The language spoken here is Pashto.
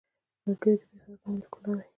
ملګری د بې غرضه مینې ښکلا وي